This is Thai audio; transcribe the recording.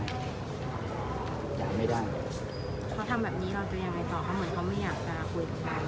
จ่ายไม่ได้เขาทำแบบนี้เราจะยังไงต่อเขาเหมือนเขาไม่อยากจะคุยกัน